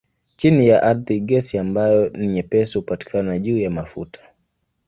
Chini ya ardhi gesi ambayo ni nyepesi hupatikana juu ya mafuta.